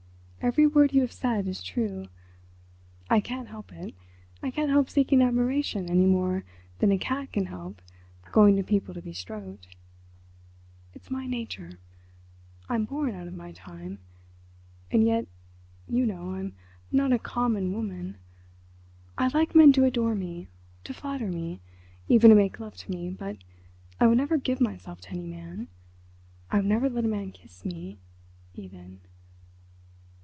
Every word you have said is true. I can't help it. I can't help seeking admiration any more than a cat can help going to people to be stroked. It's my nature. I'm born out of my time. And yet, you know, I'm not a common woman. I like men to adore me—to flatter me—even to make love to me—but I would never give myself to any man. I would never let a man kiss me... even."